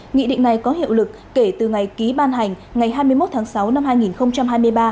nghị định này có hiệu lực kể từ ngày ký ban hành ngày hai mươi một tháng sáu năm hai nghìn hai mươi ba